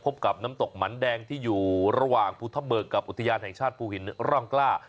พบกับน้ำตกหมันแดงที่อยู่ระหว่างภูทะเบิกกับอุทยานแห่งชาติภูหินร่องกล้า